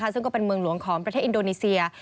ซึ่งก็เป็นเมืองหลวงของประเทศอินโดนีเซีย